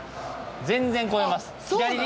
全然超えます。